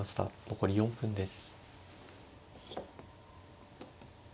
残り４分です。